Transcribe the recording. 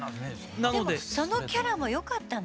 でもそのキャラもよかったのよ。